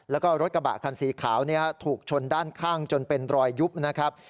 แล้วก็รถกระบะคันสีขาวถูกชนด้านข้างจนเป็นรอยยุบนะครับ